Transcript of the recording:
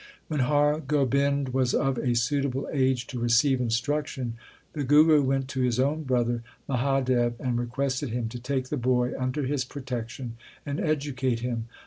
1 When Har Gobind was of a suitable age to receive instruction, the Guru went to his own brother Mahadev, and requested him to take the boy under his protection and educate him.